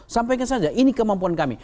sampaikan saja ini kemampuan kami